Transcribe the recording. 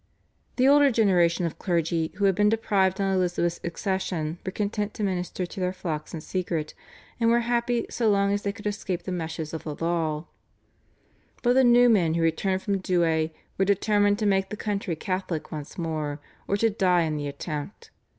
The older generation of clergy who had been deprived on Elizabeth's accession were content to minister to their flocks in secret, and were happy so long as they could escape the meshes of the law; but the new men who returned from Douay were determined to make the country Catholic once more or to die in the attempt.